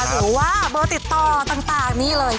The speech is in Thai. หรือว่าเบอร์ติดต่อต่างนี่เลย